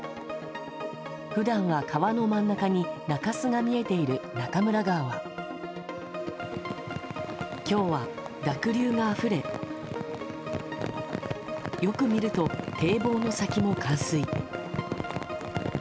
普段は川の真ん中に中洲が見えている中村川は今日は濁流があふれよく見ると、堤防の先も冠水。